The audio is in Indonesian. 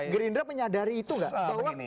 green dry menyadari itu gak